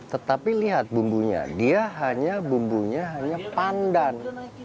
tetapi lihat bumbunya dia hanya bumbunya hanya pandan